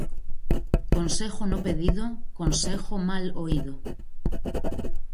Consejo no pedido, consejo mal oido.